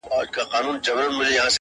یو کیسې کوي د مړو بل د غم په ټال زنګیږي-